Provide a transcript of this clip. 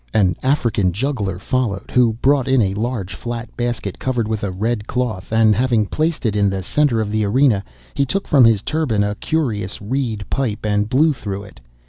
An African juggler followed, who brought in a large flat basket covered with a red cloth, and having placed it in the centre of the arena, he took from his turban a curious reed pipe, and blew through it.